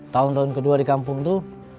tahun tahun ke dua di kampung itu